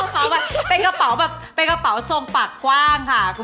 กระเป๋าเส้นผลังแบบเป็นกระเป๋าทรงปากกว้างค่ะ